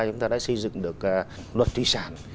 chúng ta đã xây dựng được luật thủy sản